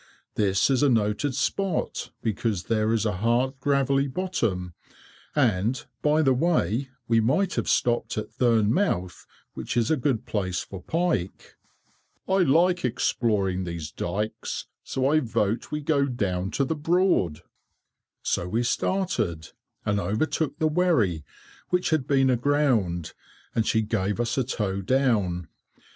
This is a noted spot, because there is a hard gravelly bottom, and, by the way, we might have stopped at Thurne mouth, which is a good place for pike." "I like exploring these dykes, so I vote we go down to the Broad." [Picture: Cottage, South Walsham Broad] So we started, and overtook the wherry, which had been aground, and she gave us a tow down.